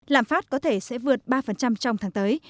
lạm phát có thể sẽ vượt ba trong tháng tới